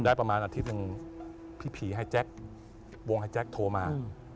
ได้ประมาณอาทิตย์หนึ่งพี่ผีไฮแจ็ควงไฮแจ็คโทรมา